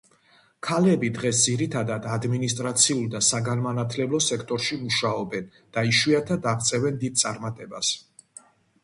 ქალები დღეს ძირითადად ადმინისტრაციულ და საგანმანათლებლო სექტორში მუშაობენ და იშვიათად აღწევენ დიდ წარმატებას.